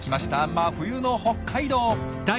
真冬の北海道。